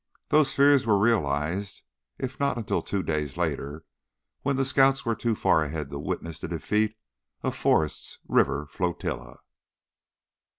Those fears were realized, if not until two days later, when the scouts were too far ahead to witness the defeat of Forrest's river flotilla.